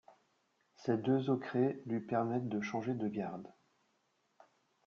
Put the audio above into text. Ses deux ocreæ lui permettaient de changer de garde.